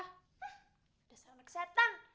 hah udah sama ke setan